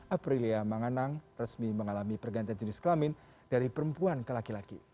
aprilia manganang resmi mengalami pergantian jenis kelamin dari perempuan ke laki laki